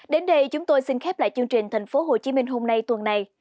đến đây chúng tôi xin khép lại chương trình thành phố hồ chí minh hôm nay